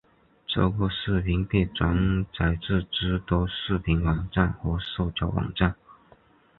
这个视频被转载至诸多视频网站和社交网站。